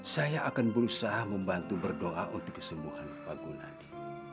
saya akan berusaha membantu berdoa untuk kesembuhan pangu nadi